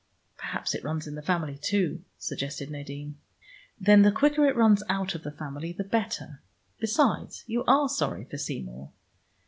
"Perhaps it runs in the family, too," suggested Nadine. "Then the quicker it runs out of the family the better. Besides you are sorry for Seymour."